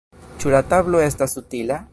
Ĉu la tablo estas utila?